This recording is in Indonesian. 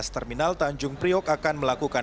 terminal tanjung priok akan melakukan